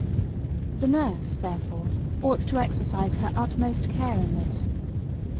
The nurse therefore ought to exercise her utmost care in this.